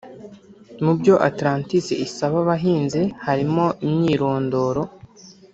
Mu byo Atlantis isaba abahinzi harimo imyirondoro